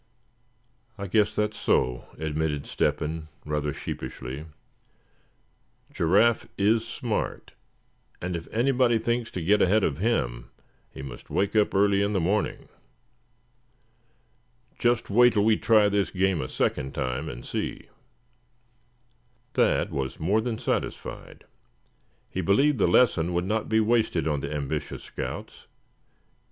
"I guess that's so," admitted Step hen, rather sheepishly. "Giraffe is smart, and if anybody thinks to get ahead of him he must wake up early in the morning. Just wait till we try this game a second time, and see." Thad was more than satisfied. He believed the lesson would not be wasted on the ambitious scouts.